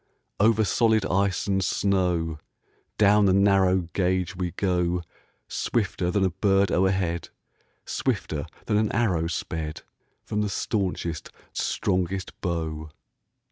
Over solid ice and snow, Down the narrow gauge we go Swifter than a bird o'erhead, Swifter than an arrow sped From the staunchest, strongest bow.